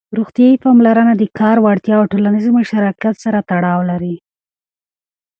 روغتيايي پاملرنه د کار وړتيا او ټولنيز مشارکت سره تړاو لري.